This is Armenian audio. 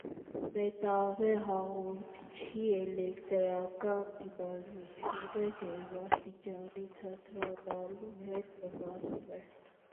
Մետաղե հաղորդչի էլեկտրական դիմադրությունը ջերմաստիճանի ցածրանալու հետ նվազում է։